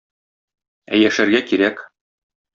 Ә яшәргә кирәк.